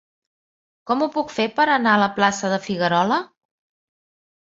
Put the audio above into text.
Com ho puc fer per anar a la plaça de Figuerola?